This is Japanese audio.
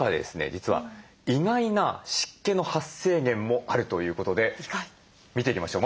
実は意外な湿気の発生源もあるということで見ていきましょう。